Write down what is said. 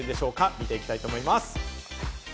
見てきたいと思います。